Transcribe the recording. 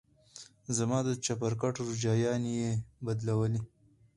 زما د چپرکټ روجايانې يې بدلولې.